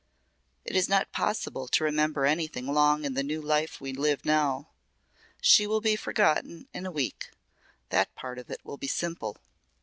It is not possible to remember anything long in the life we live now. She will be forgotten in a week. That part of it will be simple."